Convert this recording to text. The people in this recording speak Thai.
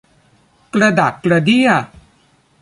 กระดักกระเดี้ย